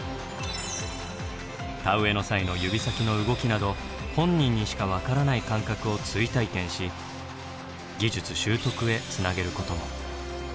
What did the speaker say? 田植えの際の指先の動きなど本人にしか分からない感覚を追体験し技術習得へつなげることも。